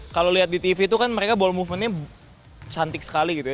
kalau lihat di tv itu kan mereka ball movementnya cantik sekali gitu ya